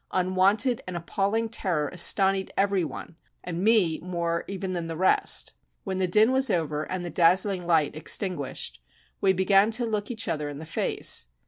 Unwonted and appalling terror astonied every one, and me more even than the rest. When the din was over and the dazzling light extinguished, we began to look each other in the face.